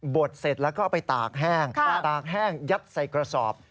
ดเสร็จแล้วก็เอาไปตากแห้งตากแห้งยัดใส่กระสอบ